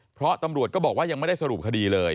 เพราะตำรวจก็บอกว่ายังไม่ได้สรุปคดีเลย